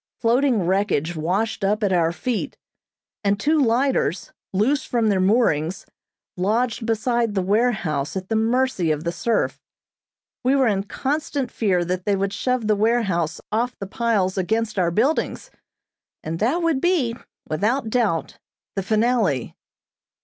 Floating wreckage washed up at our feet, and two lighters, loose from their moorings, lodged beside the warehouse at the mercy of the surf. We were in constant fear that they would shove the warehouse off the piles against our buildings, and that would be, without doubt, the finale.